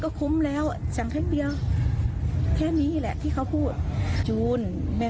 ก็คุ้มแล้วสั่งครั้งเดียวแค่นี้แหละที่เขาพูดจูนแม่